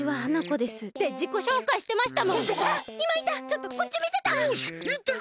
ちょっとこっちみてた。